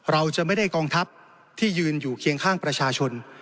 เราจะไม่ได้กองทัพที่ยืนอยู่เคียงข้างประชาชน